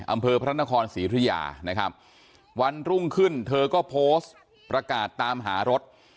อำเภอพระนครศรีธุยานะครับวันรุ่งขึ้นเธอก็โพสต์ประกาศตามหารถ